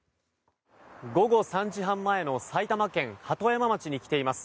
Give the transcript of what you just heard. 午後３時半前の埼玉県鳩山町に来ています。